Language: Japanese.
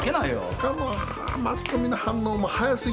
ほかのマスコミの反応も早すぎますな。